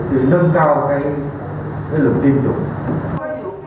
để trở nên nâng cao cái